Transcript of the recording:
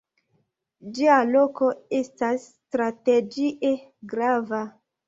Ĝia loko estas strategie grava.